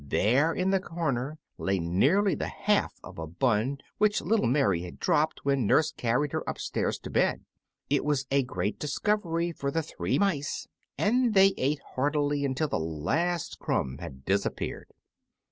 There in a corner lay nearly the half of a bun which little May had dropped when nurse carried her upstairs to bed. It was a great discovery for the three mice, and they ate heartily until the last crumb had disappeared.